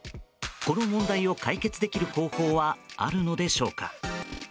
この問題を解決できる方法はあるのでしょうか？